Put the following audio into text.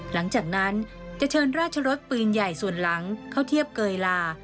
หลังจากนั้นจะเชิญราชรสปืนใหญ่ส่วนหลังเข้าเทียบเกยลา